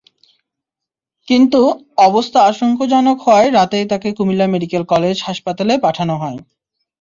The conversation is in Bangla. কিন্তু অবস্থা আশঙ্কাজনক হওয়ায় রাতেই তাঁকে কুমিল্লা মেডিকেল কলেজ হাসপাতালে পাঠানো হয়।